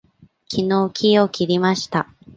きのう木を切りました。